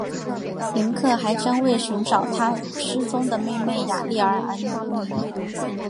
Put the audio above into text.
林克还将为寻找他失踪的妹妹雅丽儿而努力。